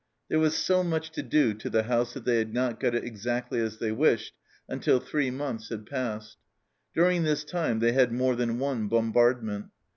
There was so much to do to the house that they had not got it exactly as they wished until three months had passed. During this time they had more than one bombardment.